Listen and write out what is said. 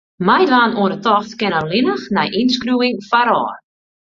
Meidwaan oan 'e tocht kin allinnich nei ynskriuwing foarôf.